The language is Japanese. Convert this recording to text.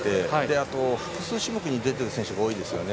あと、複数種目に出ている選手が多いですよね。